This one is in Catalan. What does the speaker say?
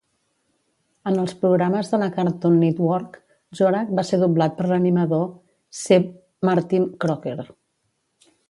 En els programes de la Cartoon Network, Zorak va ser doblat per l'animador C. Martin Croker.